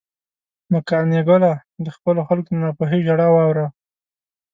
نو قانع ګله، د خپلو خلکو د ناپوهۍ ژړا واوره.